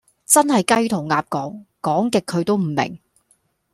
真係雞同鴨講，講極佢都唔明